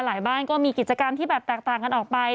บ้านก็มีกิจกรรมที่แบบแตกต่างกันออกไป